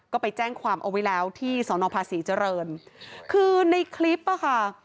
ก็ไปแจ้งความเอาไว้แล้วที่สอนอภาษีเจริญคือในคลิปอ่ะค่ะ